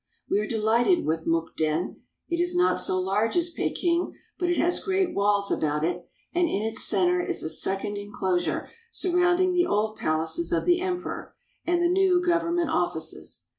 We are delighted with Mukden. It is "We find soldiers at ah the stations." not so large as Peking, but it has great walls about it, and in its center is a second inclosure surrounding the old palaces of the Emperor and the new government offices.